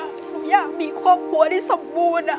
หนูอยากมีครอบครัวที่สมบูรณ์